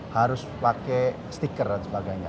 harus pakai stiker dan sebagainya